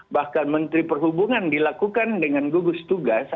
bahkan menteri perhubungan dilakukan dengan gugus tugas